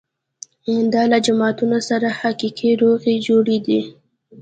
دا له جماعتونو سره حقیقي روغې جوړې ده.